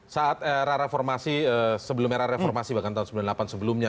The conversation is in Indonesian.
saat era reformasi sebelum era reformasi bahkan tahun sembilan puluh delapan sebelumnya